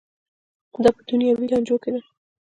دا په دنیوي لانجو کې ده.